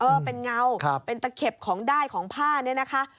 เออเป็นเงาเป็นตะเข็บของได้ของผ้าเนี่ยนะคะ